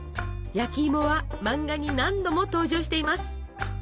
焼きいもは漫画に何度も登場しています。